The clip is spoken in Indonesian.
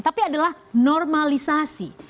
tapi adalah normalisasi